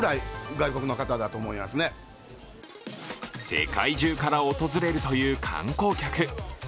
世界中から訪れるという観光客。